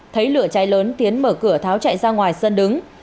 thấy lửa cháy lớn tiến mở cửa tháo chạy ra ngoài sân đứng